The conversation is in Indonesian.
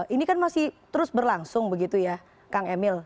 ini kan masih terus berlangsung begitu ya kang emil